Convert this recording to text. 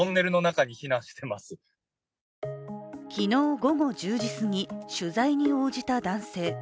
昨日午後１０時すぎ、取材に応じた男性。